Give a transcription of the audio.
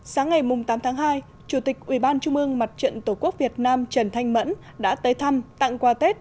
sáng ngày tám tháng hai chủ tịch ubnd mặt trận tổ quốc việt nam trần thanh mẫn đã tới thăm tặng quà tết